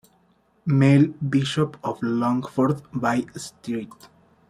Mel, Bishop of Longford, by St.